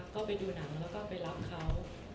ก็ไปดูหนังแล้วก็ไปรับเขา